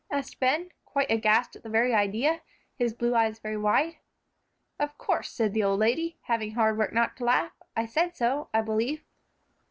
asked Ben, quite aghast at the very idea, his blue eyes very wide. "Of course," said the old lady, having hard work not to laugh; "I said so, I believe."